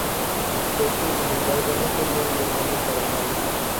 Éste, sin embargo, no sería un buen año para Mario.